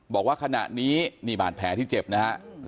บอกว่าขณะนี้นี่บาดแผลที่เจ็บนะฮะ